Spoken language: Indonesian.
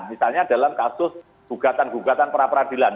misalnya dalam kasus gugatan gugatan perapradilan